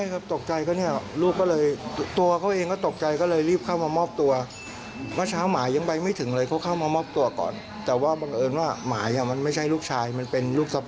รับศาลค่าไปก็คือความร่วมมือ